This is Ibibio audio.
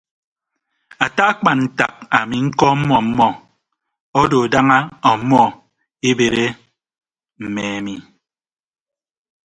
Ata akpan ntak ami ñkọọmmọ ọmmọ odo daña ọmmọ ebere mme ami.